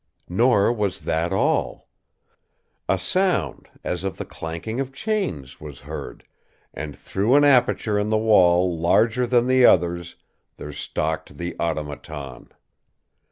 Nor was that all. A sound, as of the clanking of chains, was heard, and through an aperture in the wall larger than the others there stalked the Automaton.